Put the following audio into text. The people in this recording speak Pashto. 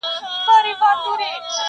د عشق له فیضه دی بل چا ته یې حاجت نه وینم,